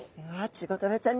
チゴダラちゃん！